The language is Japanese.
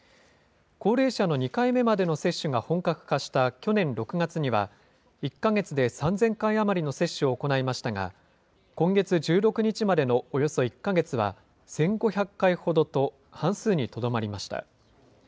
高齢者の２回目までの接種が本格化した去年６月には、１か月で３０００回余りの接種を行いましたが、今月１６日までのおよそ１か月は１５００回ほどと、半数にとどまりました。